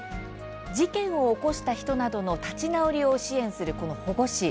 事件を起こした人などの立ち直りを支援する保護司。